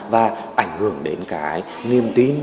và ảnh hưởng đến cái niềm tin